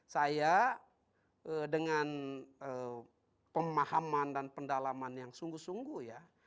saya dengan pemahaman dan pendalaman yang sungguh sungguh ya